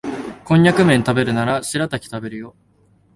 コンニャクめん食べるならシラタキ食べるよ